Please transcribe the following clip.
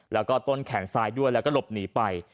แล้วก็ต้นแขนซ้ายด้วยแล้วก็หลบหนีไป